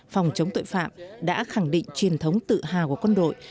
phòng chống tội phạm đã khẳng định truyền thống tự hào của quân đội